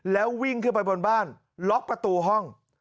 แล้ววิ่งขึ้นไปบนบ้านล็อกประตูห้อง